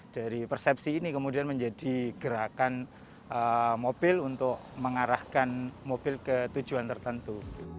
dari persepsi ini kemudian menjadi gerakan mobil untuk mengarahkan mobil ke tujuan tertentu